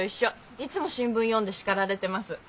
いつも新聞読んでしかられてます。